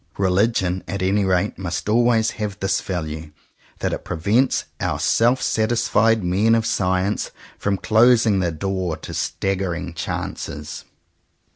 Religion at any rate must always have this value, that it prevents our self satisfied men of science from closing the door to staggering chances.